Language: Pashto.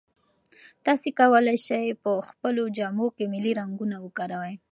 تاسي کولای شئ په خپلو جامو کې ملي رنګونه وکاروئ.